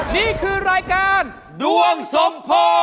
นี่คือรายการดวงสมโพ